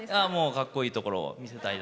かっこいいところを見せたいと。